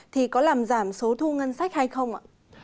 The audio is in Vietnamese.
thì có làm giảm số thu ngân sách hay không ạ